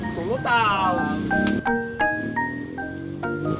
itu lo tau wang